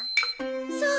そう。